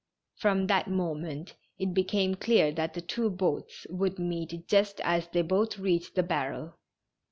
From that moment it became clear that the two boats would meet just as they both reached the barrel.